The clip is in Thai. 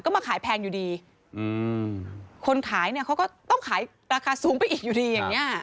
ก็มาขายแพงอยู่ดีอืมคนขายเนี่ยเขาก็ต้องขายราคาสูงไปอีกอยู่ดีอย่างเงี้